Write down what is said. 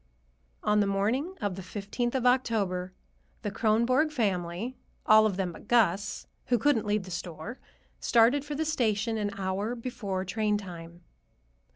On the morning of the fifteenth of October the Kronborg family, all of them but Gus, who couldn't leave the store, started for the station an hour before train time.